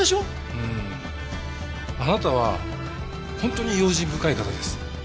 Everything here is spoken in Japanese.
うんあなたは本当に用心深い方です。